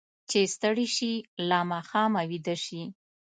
چې ستړي شي، له ماښامه ویده شي.